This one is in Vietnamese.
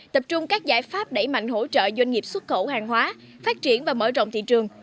tập trung các giải pháp đẩy mạnh hỗ trợ doanh nghiệp xuất khẩu hàng hóa phát triển và mở rộng thị trường